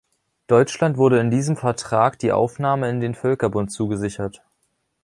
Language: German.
Deutschland wurde in diesem Vertrag die Aufnahme in den Völkerbund zugesichert.